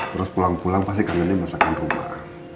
terus pulang pulang pasti kangennya masakan rumah